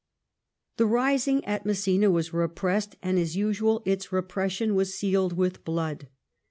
The rising at Messina was repressed, and, as usual, its repression was sealed with blood.